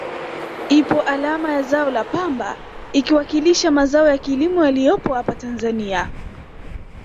Ipo alama ya zao la pamba ikiwakilisha mazao ya kilimo yaliyopo apa Tanzania